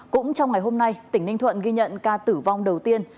cũng trong ngày hôm nay tỉnh ninh thuận ghi nhận ca tử vong đầu tiên